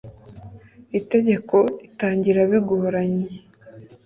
itegeko ritangira bigoranye.